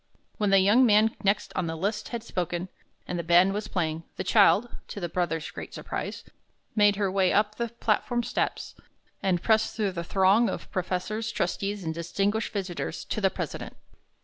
When the young man next on the list had spoken, and the band was playing, the child, to the brother's great surprise, made her way up the platform steps, and pressed through the throng of professors, trustees, and distinguished visitors, to the president.